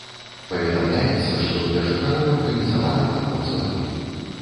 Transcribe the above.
Паведамляецца, што для жыхароў арганізаваны падвоз вады.